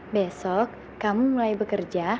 besok kamu mulai bekerja